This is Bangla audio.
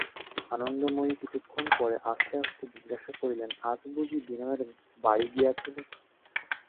আনন্দময়ী কিছুক্ষণ পরে আস্তে আস্তে জিজ্ঞাসা করিলেন, আজ বুঝি বিনয়ের বাড়ি গিয়েছিলে?